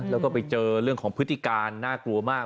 แล้วก็ไปเจอเรื่องของพฤติการน่ากลัวมาก